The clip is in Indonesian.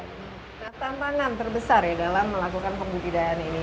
nah tantangan terbesar ya dalam melakukan pembudidayaan ini